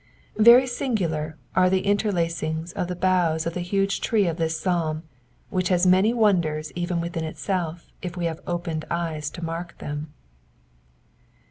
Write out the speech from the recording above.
Very singular are the interlacings of the boughs of the huge tree of this psalm, which has many wonders even within itself if we have opened eyes to mark them.